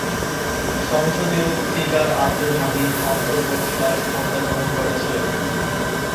সংসদীয় স্পিকার আব্দুল হামিদ অন্তর্বর্তীকালীন ক্ষমতা গ্রহণ করেছিলেন।